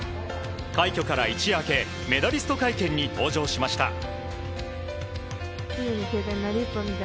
快挙から一夜明けメダリスト会見に登場しました。